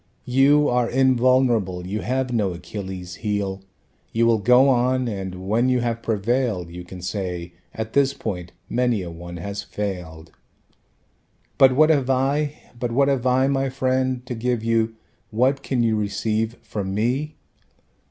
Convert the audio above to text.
You are invulnerable, you have no Achilles' heel. You will go on, and when you have prevailed You can say: at this point many a one has failed. But what have I, but what have I, my friend, To give you, what can you receive from me?